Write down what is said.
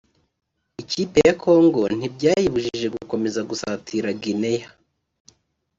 ikipe ya Congo ntibyayibujije gukomeza gusatira Guinea